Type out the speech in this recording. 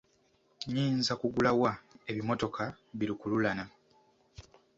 Nnyinza kugula wa ebimmotoka bi lukululana?